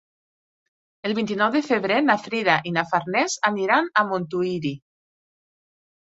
El vint-i-nou de febrer na Frida i na Farners aniran a Montuïri.